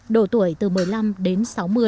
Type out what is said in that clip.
độ tuổi từ một mươi năm đến sáu mươi